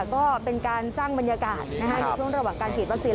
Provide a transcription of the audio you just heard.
ก็เป็นการสร้างบรรยากาศในช่วงระหว่างการฉีดวัคซีน